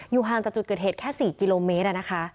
ห่างจากจุดเกิดเหตุแค่๔กิโลเมตร